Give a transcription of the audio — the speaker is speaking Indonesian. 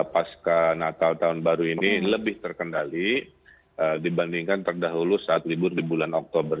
pasca natal tahun baru ini lebih terkendali dibandingkan terdahulu saat libur di bulan oktober